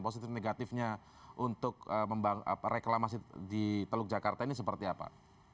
positif negatifnya untuk reklamasi di teluk jakarta ini seperti apa